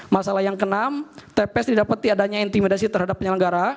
masalah yang ke enam tps didapati adanya intimidasi terhadap penyelenggara